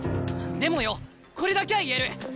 でもよこれだきゃ言える。